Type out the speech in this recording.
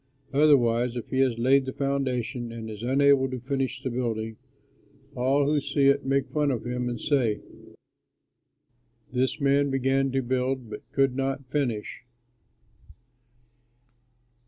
Otherwise, if he has laid the foundation and is unable to finish the building, all who see it make fun of him and say, 'This man began to build but could not finish!'"